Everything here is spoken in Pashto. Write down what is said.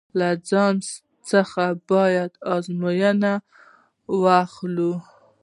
له ځان څخه باید ازموینه واخلو.